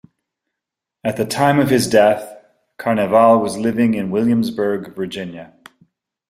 At the time of his death, Carnevale was living in Williamsburg, Virginia.